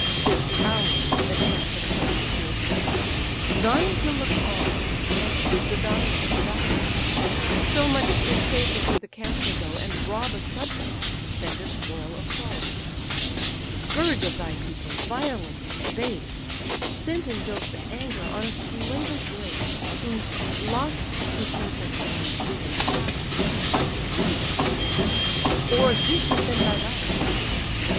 'Tis ours, the chance of fighting fields to try; Thine to look on, and bid the valiant die: So much 'tis safer through the camp to go, And rob a subject, than despoil a foe. Scourge of thy people, violent and base! Sent in Jove's anger on a slavish race; Who, lost to sense of generous freedom past, Are tamed to wrongs;—or this had been thy last.